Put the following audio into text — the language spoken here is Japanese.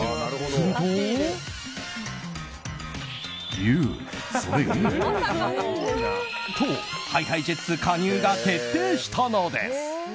すると。と、ＨｉＨｉＪｅｔｓ加入が決定したのです。